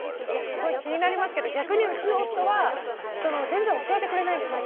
すごい気になりますけど逆に、うちの夫は全然教えてくれないんですよ。